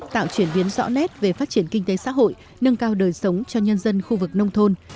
tạo chuyển biến rõ nét về phát triển kinh tế xã hội nâng cao đời sống cho nhân dân khu vực nông thôn